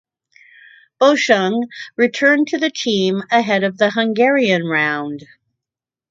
Boschung returned to the team ahead of the Hungarian round.